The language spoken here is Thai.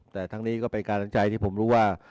แต่ทั้งนี้ก็เป็นการสนใจที่ผมรู้ว่า